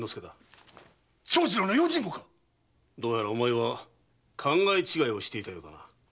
長次郎の用心棒か⁉どうやらお前は考え違いをしていたようだな。